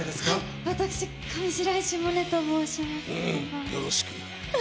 私、上白石萌音と申します、よろしく。